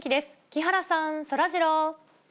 木原さん、そらジロー。